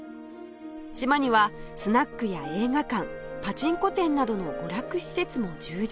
島にはスナックや映画館パチンコ店などの娯楽施設も充実